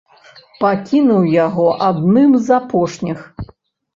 Пакінуў яго адным з апошніх.